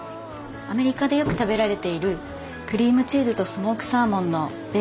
アメリカでよく食べられているクリームチーズとスモークサーモンのベーグルサンドイッチになります。